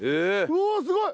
うおすごい！